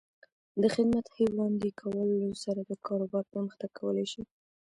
د خدمت ښې وړاندې کولو سره د کاروبار پرمختګ کولی شي.